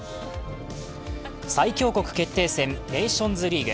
最強国決定戦ネーションズリーグ。